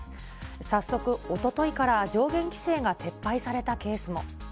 早速、おとといから上限規制が撤廃されたケースも。